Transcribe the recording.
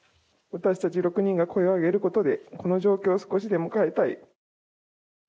私たち６人が声を上げることでこの状況を少しでも変えたい。